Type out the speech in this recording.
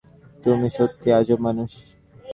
তুমি সত্যিই আজব মানুষ।